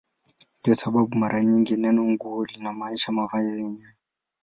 Ndiyo sababu mara nyingi neno "nguo" linamaanisha mavazi yenyewe.